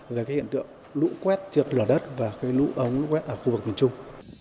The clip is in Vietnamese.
về hiện tượng lũ quét trượt lửa đất và lũ ống lũ quét ở khu vực biển trung